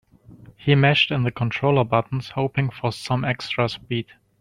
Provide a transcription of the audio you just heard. He mashed in the controller buttons, hoping for some extra speed.